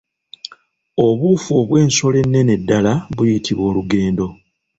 Obuufu obw’ensolo ennene ddala buyitibwa olugendo.